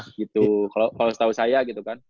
gitu kalo setau saya gitu kan